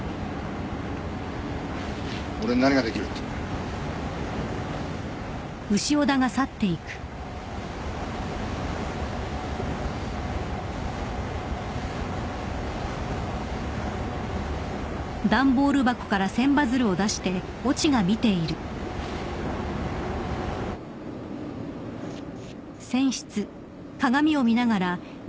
俺に何ができるっていうんだよあっ！